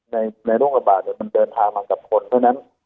ในโรคระบาดมันเดินทางมากับคนเพราะฉะนั้น